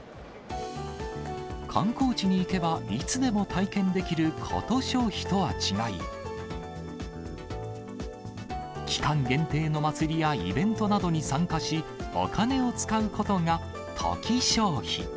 観光地に行けば、いつでも体験できるコト消費とは違い、期間限定の祭りやイベントなどに参加し、お金を使うことがトキ消費。